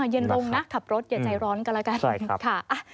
เย็นลงนะขับรถอย่าใจร้อนกันแล้วกัน